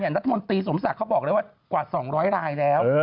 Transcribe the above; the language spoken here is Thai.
รัฐมนตรีสมศักดิ์เขาบอกเลยว่ากว่า๒๐๐รายแล้ว